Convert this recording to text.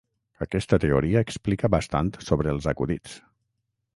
Aquesta teoria explica bastant sobre els acudits.